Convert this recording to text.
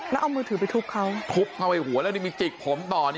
แล้วเอามือถือไปทุบเขาทุบเข้าไปหัวแล้วนี่มีจิกผมต่อด้วย